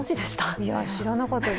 いや、知らなかったです。